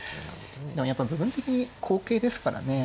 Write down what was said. でもやっぱ部分的に好形ですからね。